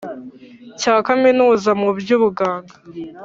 Cya kaminuza mu by ubuganga